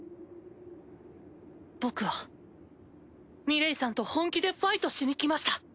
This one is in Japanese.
僕はミレイさんと本気でファイトしにきました！